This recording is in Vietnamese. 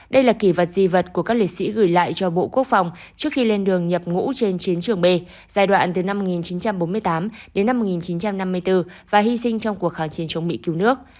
đây là kỷ vật di vật của các liệt sĩ gửi lại cho bộ quốc phòng trước khi lên đường nhập ngũ trên chiến trường b giai đoạn từ năm một nghìn chín trăm bốn mươi tám đến năm một nghìn chín trăm năm mươi bốn và hy sinh trong cuộc kháng chiến chống mỹ cứu nước